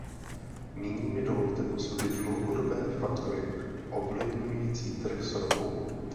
Nyní mi dovolte posoudit dlouhodobé faktory ovlivňující trh s ropou.